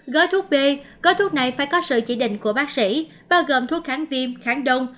gói thuốc b gói thuốc này phải có sự chỉ định của bác sĩ bao gồm thuốc kháng viêm kháng đông